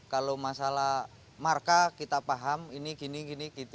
kalau masalah marka kita paham ini gini gini